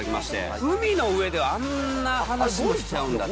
海の上ではあんな話もしちゃうんだって。